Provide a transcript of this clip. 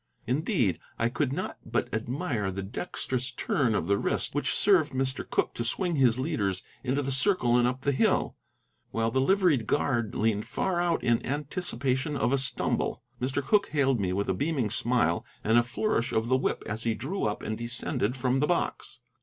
Indeed, I could not but admire the dexterous turn of the wrist which served Mr. Cooke to swing his leaders into the circle and up the hill, while the liveried guard leaned far out in anticipation of a stumble. Mr. Cooke hailed me with a beaming smile and a flourish of the whip as he drew up and descended from the box.